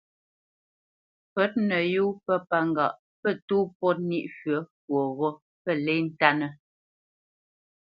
Pə̌t nə yó pə̂ pə́ ŋgâʼ pə tó pôt nî fyə̌ fwoghó pə lê ntánə́.